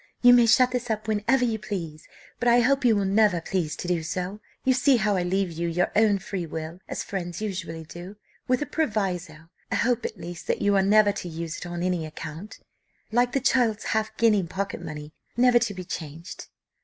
"You may shut this up whenever you please, but I hope you will never please to do so. You see how I leave you your own free will, as friends usually do, with a proviso, a hope at least, that you are never to use it on any account like the child's half guinea pocket money, never to be changed."